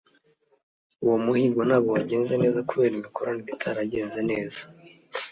uwo muhigo ntabwo wagenze neza kubera imikoranire itaragenze neza